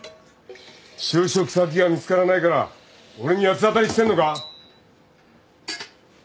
就職先が見つからないから俺に八つ当たりしてんのか？